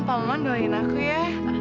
pak maman doain aku ya